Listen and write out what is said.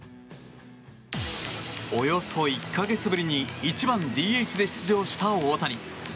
およそ１か月ぶりに１番ＤＨで出場した大谷。